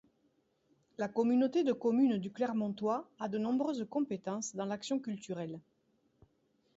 La communauté de communes du Clermontois a de nombreuses compétences dont l'action culturelle.